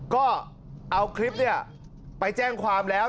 ก็เอาคลิปเนี่ยไปแจ้งความแล้ว